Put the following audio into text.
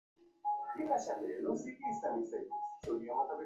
তিনি ও মণিলাল গঙ্গোপাধ্যায় 'ভারতী' পত্রিকার সম্পাদক ছিলেন।